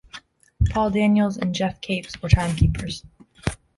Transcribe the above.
Paul Daniels and Geoff Capes were timekeepers.